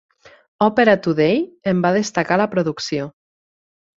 "Opera Today" en va destacar la producció.